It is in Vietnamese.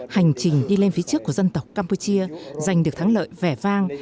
hành trình đi lên phía trước của dân tộc campuchia giành được thắng lợi vẻ vang